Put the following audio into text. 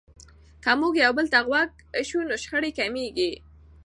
که موږ یو بل ته غوږ سو نو شخړې کمیږي.